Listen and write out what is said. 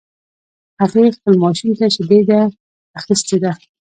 هغې خپل ماشوم ته شیدي ده اخیستی ده